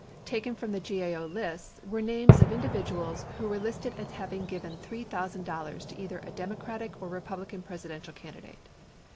Taken from the GAO lists were names of individuals who were listed as having given $3,000 to either a Demo cratic or Republican Presidential candidate.